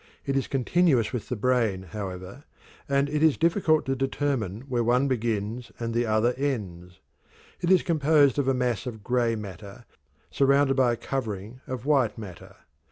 It is continuous with the brain, however, and it is difficult to determine where one begins and the other ends. It is composed of a mass of gray matter surrounded by a covering of white matter.